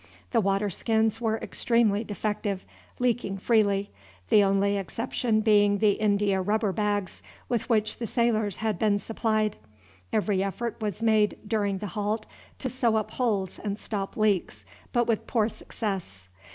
The water skins were extremely defective, leaking freely, the only exception being the india rubber bags with which the sailors had been supplied. Every effort was made during the halt to sew up holes and stop leaks, but with poor success.